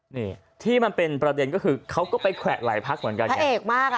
นิที่มันเป็นประเด็นก็คือเค้าก็ไปแขวะหลายภักร์เหมือนกัน